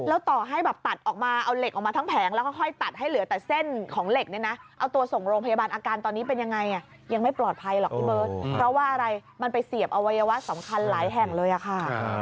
แล้วต่อให้แบบตัดออกมาเอาเหล็กออกมาทั้งแผงแล้วก็ค่อยตัดให้เหลือแต่เส้นของเหล็กเนี่ยนะเอาตัวส่งโรงพยาบาลอาการตอนนี้เป็นยังไงยังไม่ปลอดภัยหรอกพี่เบิร์ตเพราะว่าอะไรมันไปเสียบอวัยวะสำคัญหลายแห่งเลยอะค่ะ